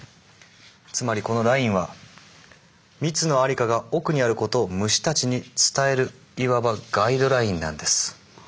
つまりこのラインは蜜の在りかが奥にあることを虫たちに伝えるいわばガイドラインなんです。